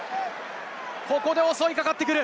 ここで襲いかかってくる。